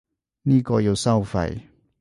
呢個要收費